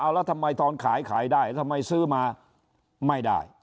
แล้วทำไมทอนขายขายได้ทำไมซื้อมาไม่ได้